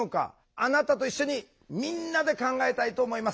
あなたと一緒にみんなで考えたいと思います。